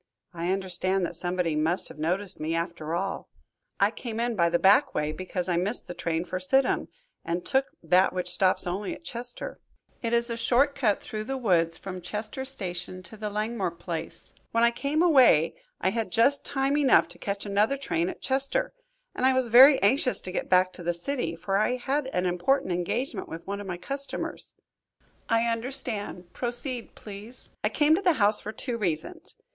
"I understand that somebody must have noticed me after all. I came in by the back way because I missed the train for Sidham, and took that which stops only at Chester. It is a short cut through the woods from Chester Station to the Langmore place. When I came away I had just time enough to catch another train at Chester, and I was very anxious to get back to the city, for I had an important engagement with one of my customers." "I understand. Proceed, please." "I came to the house for two reasons.